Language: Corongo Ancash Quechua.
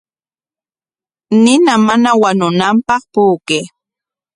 Nina mana wañunanpaq puukay.